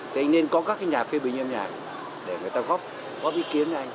thì anh nên có các nhà phê bình âm nhạc để người ta có ý kiến